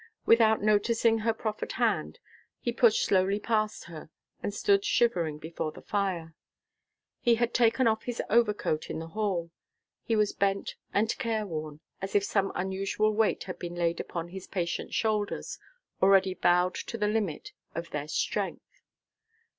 Without noticing her proffered hand, he pushed slowly past her, and stood shivering before the fire. He had taken off his overcoat in the hall. He was bent and careworn, as if some unusual weight had been laid upon his patient shoulders, already bowed to the limit of their strength.